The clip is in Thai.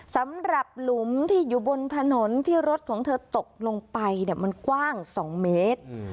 สำหรับหลุมที่อยู่บนถนนที่รถของเธอตกลงไปมันกว้าง๒เมตร